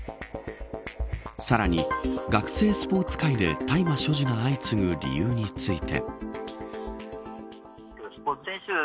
さらに学生スポーツ界で大麻所持が相次ぐ理由について。